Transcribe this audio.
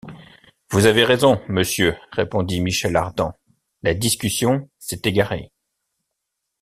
Vous avez raison, monsieur, répondit Michel Ardan, la discussion s’est égarée.